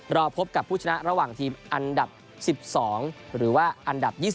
รอพบกับผู้ชนะระหว่างทีมอันดับ๑๒หรือว่าอันดับ๒๐